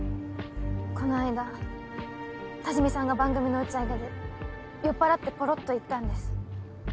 この間多治見さんが番組の打ち上げで酔っぱらってポロっと言ったんです